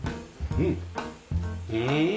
うん！